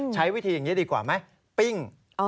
ใช้วิธีอย่างนี้ดีกว่าไหมปิ้ง